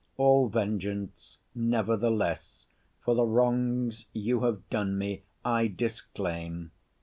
All vengeance, nevertheless, for the wrongs you have done me, I disclaim.